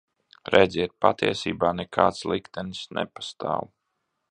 Redziet, patiesībā nekāds liktenis nepastāv.